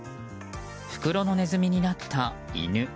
袋のねずみになった犬。